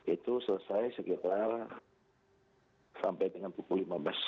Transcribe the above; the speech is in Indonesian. itu selesai sekitar sampai dengan pukul lima belas